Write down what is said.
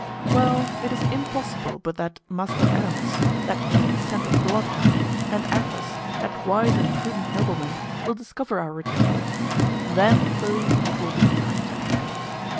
"Well, it is impossible but that Master Aramis, that keen scented bloodhound, and Athos, that wise and prudent nobleman, will discover our retreat. Then, believe me, it will be time to act."